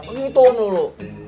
begini tau dulu